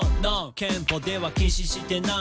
「憲法では禁止してない」